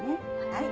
はい。